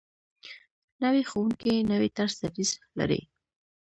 نوی ښوونکی نوی طرز تدریس لري